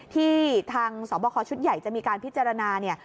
ที่ทางสอบคอชุดใหญ่จะมีการพิจารณาเนี่ย